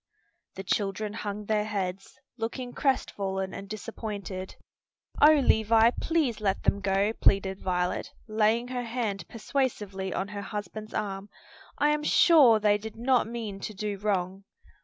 The children hung their heads, looking crestfallen and disappointed. "O Levis, please let them go!" pleaded Violet, laying her hand persuasively on her husband's arm. "I am sure they did not mean to do wrong."